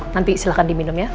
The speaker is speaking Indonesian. nanti silahkan diminum ya